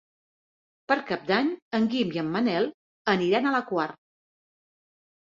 Per Cap d'Any en Guim i en Manel aniran a la Quar.